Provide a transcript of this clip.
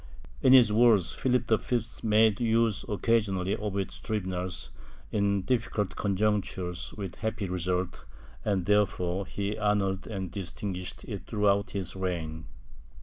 In his wars Philip V made use occasionally of its tribunals in difl[icult conjunctures with happy results and therefore he honored and distinguished it throughout his reign.